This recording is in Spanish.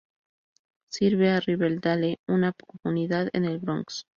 Sirve a Riverdale, una comunidad en el Bronx.